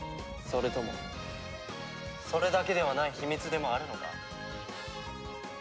「それだけではない秘密でもあるのか？」